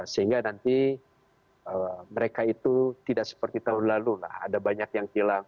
sehingga nanti mereka itu tidak seperti tahun lalu ada banyak yang hilang